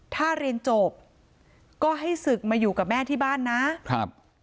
ถ้าเรียนจบก็ให้ศึกมาอยู่กับแม่ที่บ้านนะครับ